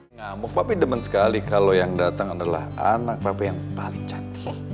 ngamuk papi demen sekali kalo yang dateng adalah anak papi yang paling cantik